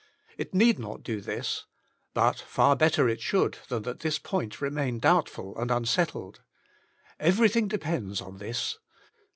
It need not do this. But far better it should, than that this point remain doubtful and un settled. Everything Depends on this.